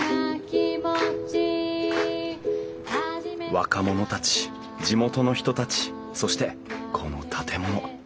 若者たち地元の人たちそしてこの建物。